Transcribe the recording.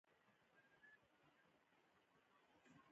دا ژورنال اوږدې څیړنیزې مقالې خپروي.